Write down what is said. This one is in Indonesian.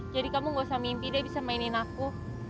jadi kamu gak usah mimpi deh bisa mainin aku